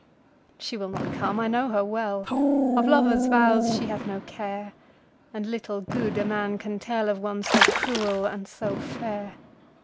She will not come, I know her well, Of lover's vows she hath no care, And little good a man can tellOf one so cruel and so fair.